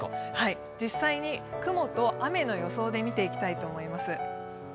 実際に雲と雨の予想で見ていきたいと思います。